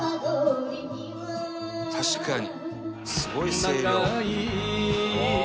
「確かにすごい声量」